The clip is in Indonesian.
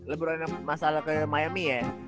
lebron masalah ke miami ya